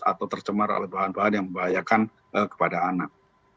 atau tercemar oleh bahan bahan yang membahayakan kepada anak